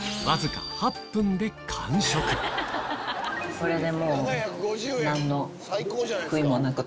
これでもう。